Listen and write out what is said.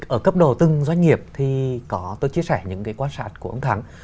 ở cấp độ từng doanh nghiệp thì có tôi chia sẻ những cái quan sát của ông thắng